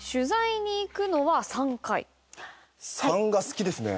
「３」が好きですね。